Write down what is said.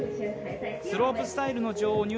スロープスタイルの女王